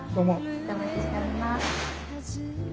またお待ちしております。